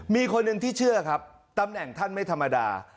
มีคนหนึ่งที่เชื่อครับตำแหน่งท่านไม่ธรรมดา